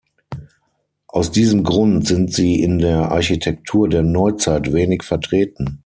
Aus diesem Grund sind sie in der Architektur der Neuzeit wenig vertreten.